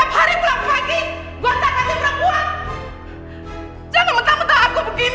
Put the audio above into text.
apa renta bisa kamu sesushelf